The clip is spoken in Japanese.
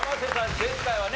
前回はね